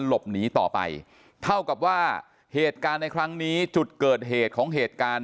หลบหนีต่อไปเท่ากับว่าเหตุการณ์ในครั้งนี้จุดเกิดเหตุของเหตุการณ์